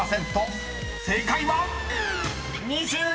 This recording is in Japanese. ［正解は⁉］